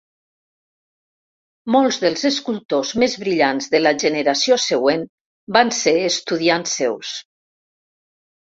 Molts dels escultors més brillants de la generació següent van ser estudiants seus.